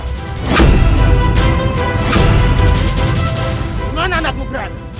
di mana anakmu berada